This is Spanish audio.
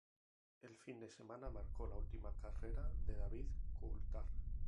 El fin de semana marcó la última carrera de David Coulthard.